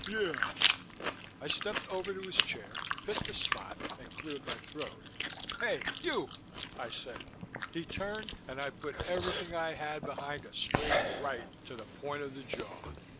Yeah." I stepped over to his chair, picked a spot, and cleared my throat. "Hey, you," I said. He turned, and I put everything I had behind a straight right to the point of the jaw.